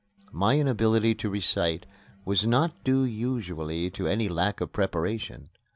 My inability to recite was not due usually to any lack of preparation.